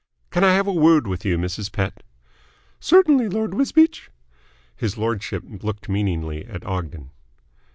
"Can I have a word with you, Mrs. Pett?" "Certainly, Lord Wisbeach." His lordship looked meaningly at Ogden.